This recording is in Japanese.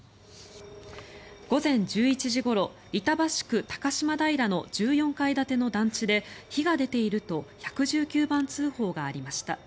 午前１１時ごろ板橋区高島平の１４階建ての団地で火が出ていると１１９番通報がありました。